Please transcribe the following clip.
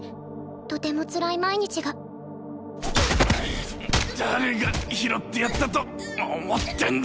とてもつらい毎日が誰が拾ってやったと思ってんだ！